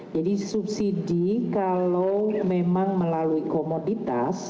subsidi kalau memang melalui komoditas